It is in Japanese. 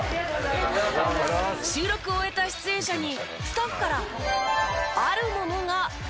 収録を終えた出演者にスタッフからあるものが渡されました。